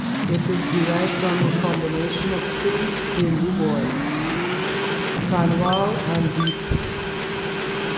It is derived from a combination of two Hindi words, "kanwal" and "deep".